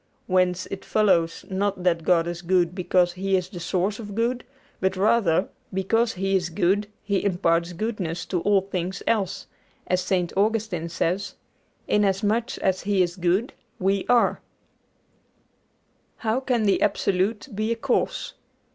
Whence it follows, not that God is good because He is the source of good, but rather, because He is good, He imparts goodness to all things else; as St. Augustine says, "Inasmuch as He is good, we are." HOW CAN THE ABSOLUTE BE A CAUSE?